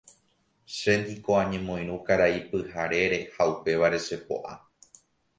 Chéniko añemoirũ karai Pyharére ha upévare chepo'a.